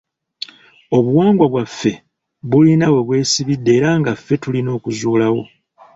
Obuwangwa bwaffe bulina we bwesibidde era nga ffe tulina okuzuulawo.